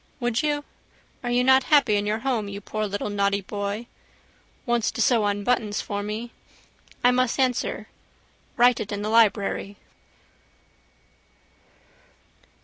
Would you? Are you not happy in your home you poor little naughty boy? Wants to sew on buttons for me. I must answer. Write it in the library.